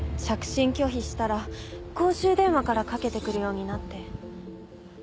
着信拒否したら公衆電話からかけてくるようになって。